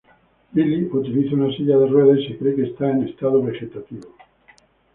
Billy utiliza una silla de ruedas y se cree que está en estado vegetativo.